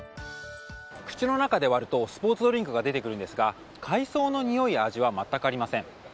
口の中で割るとスポーツドリンクが出てくるんですが海藻のにおいや味はまったくありません。